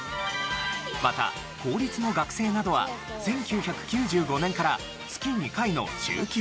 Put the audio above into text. また公立の学生などは１９９５年から月２回の週休２日制。